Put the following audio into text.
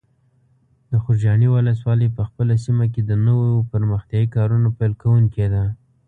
د خوږیاڼي ولسوالۍ په خپله سیمه کې د نویو پرمختیایي کارونو پیل کوونکی ده.